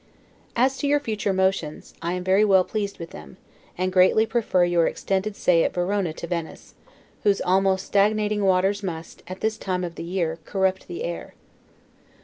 As to your future motions, I am very well pleased with them, and greatly prefer your intended stay at Verona to Venice, whose almost stagnating waters must, at this time of the year, corrupt the air.